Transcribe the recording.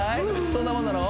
そんなもんなの？